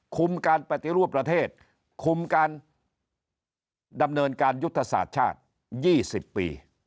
คุมการปฏิรูปประเทศคุมการดำเนินการยุทธศาสตร์ชาติ๒๐ปี